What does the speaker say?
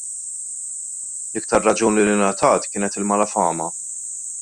L-iktar raġuni li ngħatat kienet il-malafama.